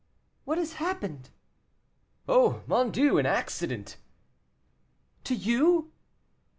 "What has happened?" "Oh, mon Dieu! an accident." "To you?"